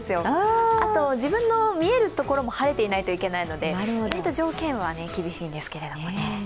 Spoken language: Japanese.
あと自分の見えるところも晴れていないといけないので割と条件は厳しいんですけどね。